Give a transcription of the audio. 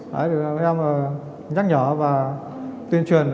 đấy được các em nhắc nhở và tuyên truyền